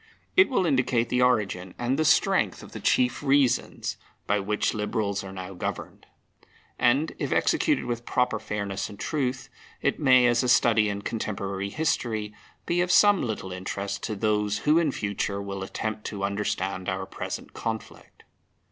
It will indicate the origin and the strength of the chief reasons by which Liberals are now governed. And, if executed with proper fairness and truth, it may, as a study in contemporary history, be of some little interest to those who in future will attempt to understand our present conflict.